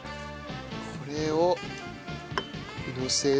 これをのせれば。